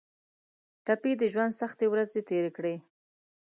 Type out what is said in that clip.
ټپي د ژوند سختې ورځې تېرې کړي.